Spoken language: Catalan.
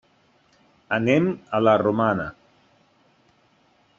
Anem a la Romana.